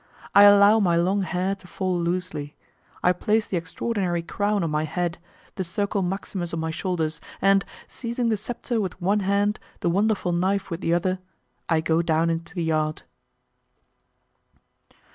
I allow my long hair to fall loosely. I place the extraordinary crown on my head, the circle maximus on my shoulders, and, seizing the sceptre with one hand, the wonderful knife with the other, I go down into the yard.